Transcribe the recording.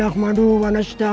ar rahmanirrahim maliki yawmiddin